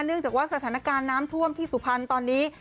เนื่องจากว่าสถานการณ์น้ำท่วมที่สุพรรณตอนนี้